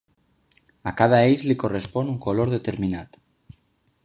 A cada eix li correspon un color determinat.